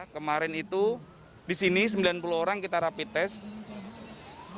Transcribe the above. kemarin itu di sini sembilan puluh orang kita rapid test